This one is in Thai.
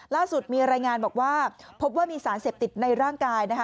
ล่าสุดมีรายงานบอกว่าพบว่ามีสารเสพติดในร่างกายนะคะ